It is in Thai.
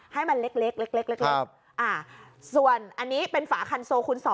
ให้มันเล็กเล็กส่วนอันนี้เป็นฝาคันโซคูณ๒